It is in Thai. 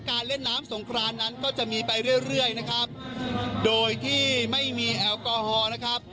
เล่นน้ำสงครานนั้นก็จะมีไปเรื่อยเรื่อยนะครับโดยที่ไม่มีแอลกอฮอล์นะครับ